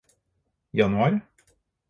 Januar